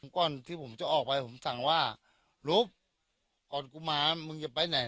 ก่อนที่ผมจะออกไปผมสั่งว่าลุฟก่อนกูมามึงจะไปไหน